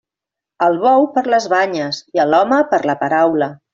Al bou per les banyes i a l'home per la paraula.